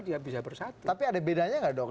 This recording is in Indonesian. dia bisa bersatu tapi ada bedanya gak